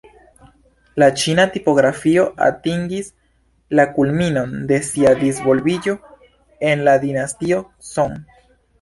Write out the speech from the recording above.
La ĉina tipografio atingis la kulminon de sia disvolviĝo en la dinastio Song.